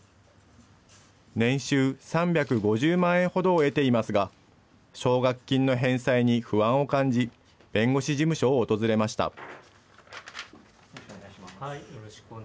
年収３５０万円ほどを得ていますが、奨学金の返済に不安を感じ、弁護士事務所を訪れました。